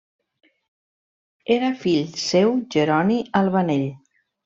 Era fill seu Jeroni Albanell.